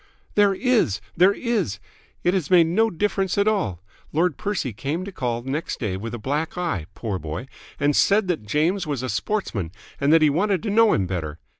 "There is! There is! It has made no difference at all! Lord Percy came to call next day with a black eye, poor boy! and said that James was a sportsman and that he wanted to know him better!